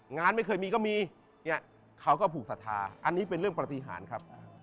งานไม่เคยมีก็มีเนี่ยเขาก็ผูกศรัทธาอันนี้เป็นเรื่องปฏิหารครับ